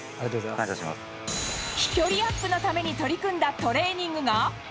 飛距離アップのために取り組んだトレーニングが。